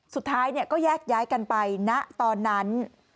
สุดท้ายก็แยกย้ายกันไปณตอนนั้น